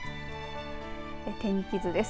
天気図です。